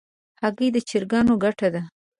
هګۍ د چرګانو ګټه ده.